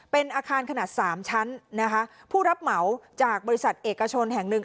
เป็นอาคารขนาดสามชั้นนะคะผู้รับเหมาจากบริษัทเอกชนแห่งหนึ่ง